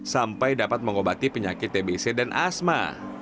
sampai dapat mengobati penyakit tbc dan asma